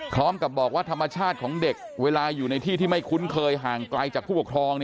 พร้อมกับบอกว่าธรรมชาติของเด็กเวลาอยู่ในที่ที่ไม่คุ้นเคยห่างไกลจากผู้ปกครอง